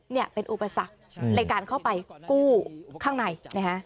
เนี่ยเป็นอุปสรรคในการเข้าไปกู้ข้างในนะฮะ